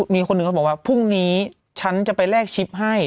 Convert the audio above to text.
มีคนหนึ่งเขาบอกว่าพรุ่งนี้ฉันจะไปแลกชิปให้